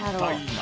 何？